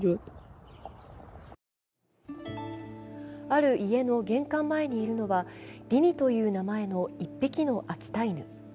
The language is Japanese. ある家の玄関前にいるのは、リニという名前の１匹の秋田犬。